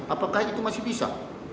apakah itu masih bisa